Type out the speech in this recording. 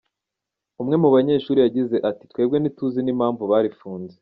Umwe mu banyeshuri yagize ati "Twebwe ntituzi n’impamvu barifunze.